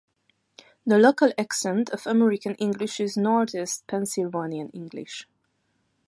The local accent of American English is Northeast Pennsylvania English.